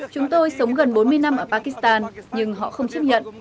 chúng tôi sống gần bốn mươi năm ở pakistan nhưng họ không chấp nhận